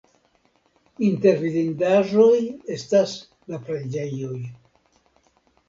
Inter vidindaĵoj estas la preĝejoj.